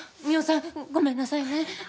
澪さんごめんなさいね。